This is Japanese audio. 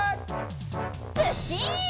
ずっしん！